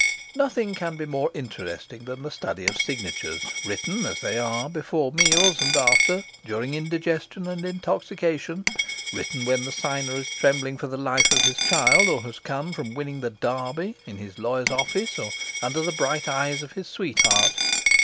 Nothing can be more interesting than the study of signatures, written (as they are) before meals and after, during indigestion and intoxication; written when the signer is trembling for the life of his child or has come from winning the Derby, in his lawyer's office, or under the bright eyes of his sweetheart.